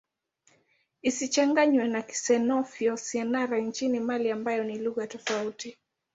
Isichanganywe na Kisenoufo-Syenara nchini Mali ambayo ni lugha tofauti.